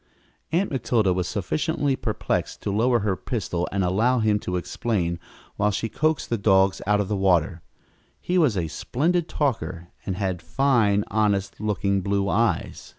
Aunt Matilda was sufficiently perplexed to lower her pistol and allow him to explain, while she coaxed the dogs out of the water. He was a splendid talker, and had fine, honest looking blue eyes.